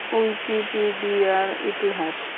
উইকিপিডিয়ার ইতিহাস